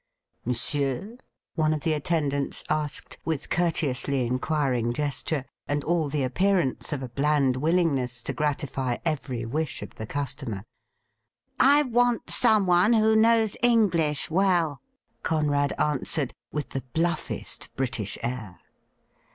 'Monsieur.'" one of the attendants asked, with cour teously inquiring gesture, and all the appearance of a bland willingness to gratify every wish of the customer. ' I want someone who knows English well,'' Conrad answered, with the bluffest British air.